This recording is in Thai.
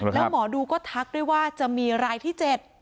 แล้วหมอดูก็ทักด้วยว่าจะมีรายที่๗